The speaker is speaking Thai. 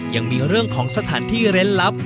ยังมีเรื่องของสถานที่เร้นลับ